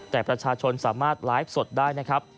แต่ประชาชนสามารถไลฟ์สดได้นะครับ